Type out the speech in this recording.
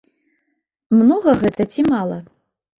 Многа гэта ці мала?